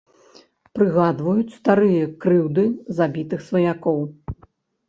Прыгадваюць старыя крыўды, забітых сваякоў.